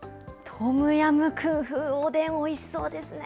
トムヤムクン風おでん、おいしそうですね。